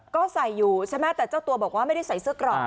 ก็ใส่อยู่ใช่ไหมแต่เจ้าตัวบอกว่าไม่ได้ใส่เสื้อกรอก